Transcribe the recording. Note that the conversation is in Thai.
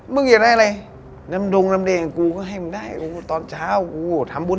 มึงอย่าเสียงดังนะแบบ